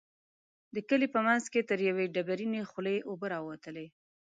د کلي په منځ کې تر يوې ډبرينې خولۍ اوبه راوتلې.